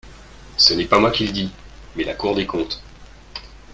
Ce n’est pas moi qui le dis, mais la Cour des comptes.